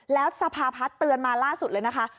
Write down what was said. แล้วสภาพัฒน์เตือนมาล่าสุดเลยนะคะ